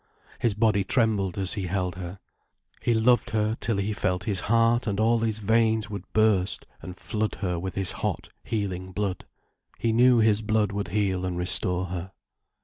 His body trembled as he held her. He loved her till he felt his heart and all his veins would burst and flood her with his hot, healing blood. He knew his blood would heal and restore her.